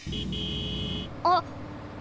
あっ。